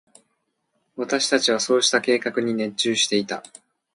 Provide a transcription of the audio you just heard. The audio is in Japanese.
私達はそうした計画に熱中していた。